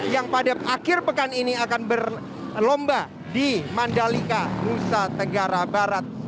yang pada akhir pekan ini akan berlomba di mandalika nusa tenggara barat